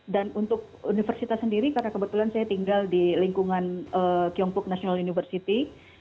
dan untuk universitas sendiri karena kebetulan saya tinggal di lingkungan gyeongbuk national university